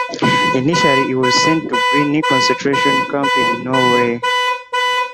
Initially he was sent to Grini concentration camp in Norway.